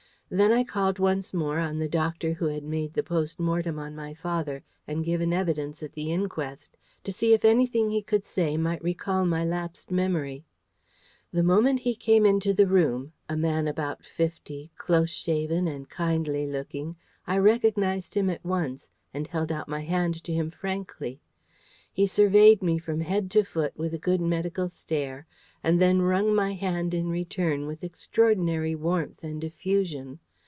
Then I called once more on the doctor who had made the post mortem on my father, and given evidence at the inquest, to see if anything he could say might recall my lapsed memory. The moment he came into the room a man about fifty, close shaven and kindly looking I recognised him at once, and held out my hand to him frankly. He surveyed me from head to foot with a good medical stare, and then wrung my hand in return with extraordinary warmth and effusion.